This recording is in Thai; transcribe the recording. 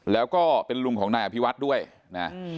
แล้วก็เป็นลุงของนายอภิวัฒน์ด้วยนะ